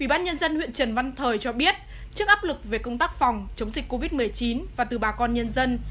ủy ban nhân dân huyện trần văn thời cho biết trước áp lực về công tác phòng chống dịch covid một mươi chín và từ bà con nhân dân